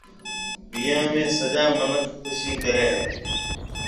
ويهان ۾ سجا مِنک خُوشِي ڪريَ هيَ۔